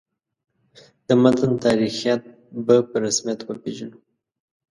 د متن تاریخیت به په رسمیت وپېژنو.